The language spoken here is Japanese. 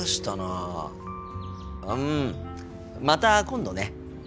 うんまた今度ね。